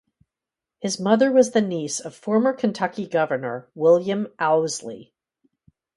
His mother was the niece of former Kentucky governor William Owsley.